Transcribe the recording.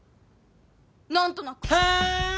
何となく。はぁん？